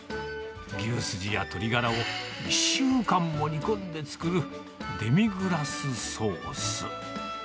牛すじや鶏がらを１週間も煮込んで作るデミグラスソース。